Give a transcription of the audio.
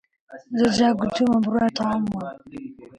زۆر جار گوتوومە، بڕوای تەواوم وا بوو